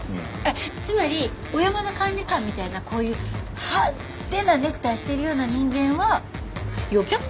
つまり小山田管理官みたいなこういう派手なネクタイしているような人間は陽キャ？